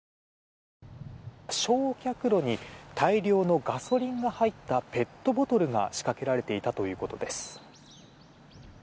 焼却炉に大量のガソリンが入ったペットボトルが仕掛けられていたということです。